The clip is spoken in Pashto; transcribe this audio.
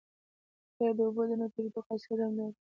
قیر د اوبو د نه تېرېدو خاصیت هم لري